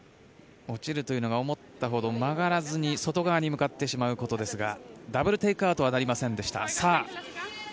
落ちるというのが思ったほど曲がらずに外側に曲がってしまうことですがダブル・テイクアウトはなりませんでした。